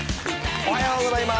おはようございます。